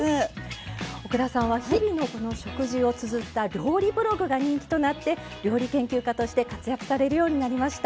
奥田さんは日々のこの食事をつづった料理ブログが人気となって料理研究家として活躍されるようになりました。